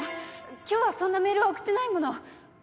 今日はそんなメールは送ってないもの。